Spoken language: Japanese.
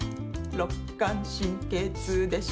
肋間神経痛でした。